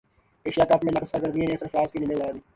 Asia cup میں ناقص کارکردگی نے سرفراز کی نیندیں اڑا دیں